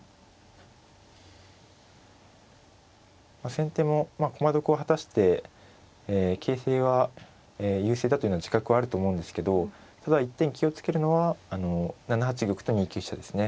先手もまあ駒得を果たして形勢は優勢だというのは自覚はあると思うんですけどただ一点気を付けるのは７八玉と２九飛車ですね。